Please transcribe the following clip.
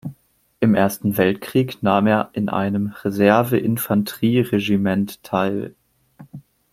Am Ersten Weltkrieg nahm er in einem Reserve-Infanterie-Regiment teil.